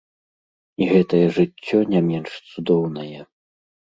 І гэтае жыццё не менш цудоўнае.